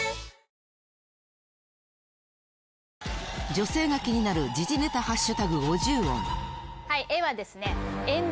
・女性が気になる時事ネタハッシュタグ５０音「え」はですね。